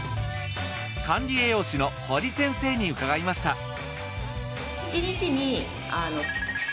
管理栄養士の堀先生に伺いました。